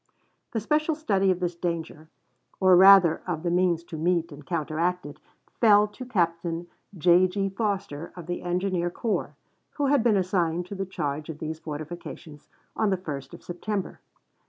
The special study of this danger, or rather of the means to meet and counteract it, fell to Captain J.G. Foster, of the engineer corps, who had been assigned to the charge of these fortifications on the 1st of September.